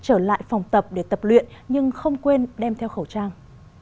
trở lại phòng tập để tập luyện nhưng không quên đem theo khẩu trang